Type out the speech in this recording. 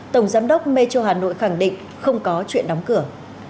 tổng giám đốc metro hà nội khẳng định không có chuyện đóng cửa